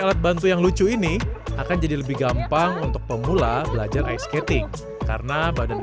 alat bantu yang lucu ini akan jadi lebih gampang untuk pemula belajar ice skating karena badan